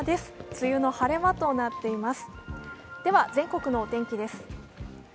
梅雨の晴れ間となっています。